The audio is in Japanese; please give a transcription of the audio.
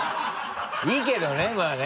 いいけどねまぁね。